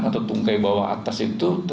atau tungkai bawah atas itu